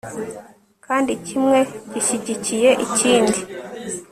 kandi kimwe gishyigikiye ikindi